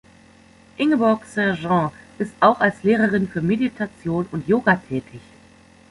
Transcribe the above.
Ingeborg Sergeant ist auch als Lehrerin für Meditation und Yoga tätig.